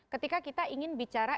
ketika kita ingin bicara